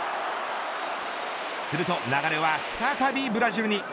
すると流れは再びブラジルに。